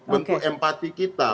bentuk empati kita